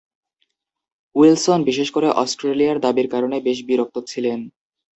Wilson বিশেষ করে অস্ট্রেলিয়ার দাবীর কারণে বেশ বিরক্ত ছিলেন।